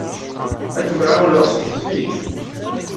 Ad kem-ɛawneɣ s teḍfi.